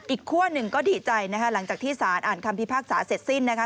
คั่วหนึ่งก็ดีใจนะคะหลังจากที่สารอ่านคำพิพากษาเสร็จสิ้นนะคะ